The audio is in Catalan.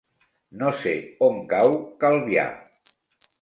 No sé on cau Calvià.